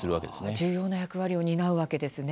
重要な役割を担うわけですね。